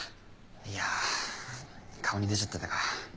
いやぁ顔に出ちゃってたか。